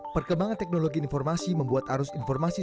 perkembangan teknologi informasi membuat arus informasi